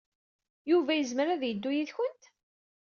Yuba yezmer ad yeddu yid-went?